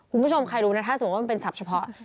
คุณผู้ชมใครรู้นะถ้าสมมุติว่ามันเป็นศัพท์เฉพาะ